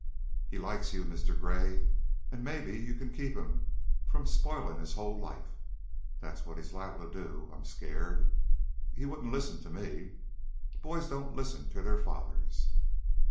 "He likes you, Mr. Gray, an' mebbe you could keep him from spoilin' his hull life. That's what he's liable to do an' I'm skeered. He wouldn't listen to me. Boys don't listen to their fathers."